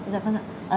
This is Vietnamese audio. dạ vâng ạ